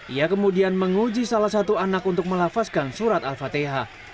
ia kemudian menguji salah satu anak untuk melafazkan surat al fatihah